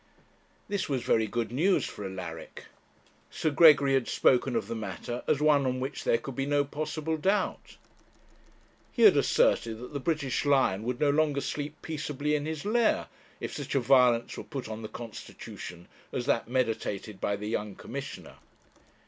This was very good news for Alaric. Sir Gregory had spoken of the matter as one on which there could be no possible doubt. He had asserted that the British lion would no longer sleep peaceably in his lair, if such a violence were put on the constitution as that meditated by the young commissioner.